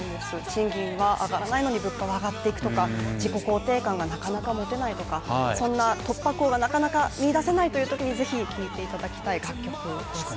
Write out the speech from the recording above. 賃金は上がらないのに物価は上がっていくとか自己肯定感がなかなか持てないとか、そんな突破口がなかなか見いだせないときにぜひ、聴いていただきたい楽曲です。